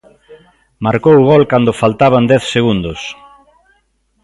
Marcou gol cando faltaban dez segundos